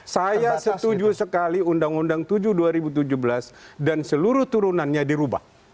saya setuju sekali undang undang tujuh dua ribu tujuh belas dan seluruh turunannya dirubah